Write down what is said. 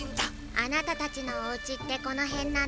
あなたたちのおうちってこのへんなの？